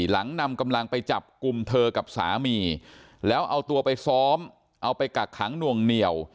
หลังนำกำลังไปจับกลุ่มเธอกับสามีแล้วเอาตัวไปซ้อมเอาไปกักขังหน่วงเหนียว